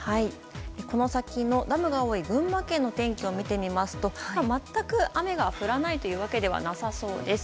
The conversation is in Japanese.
この先、ダムの多い群馬県の天気を見てみますと全く雨が降らないというわけではなさそうです。